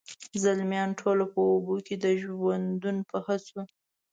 زلمیان ټوله په اوبو کي د ژوندون په هڅو،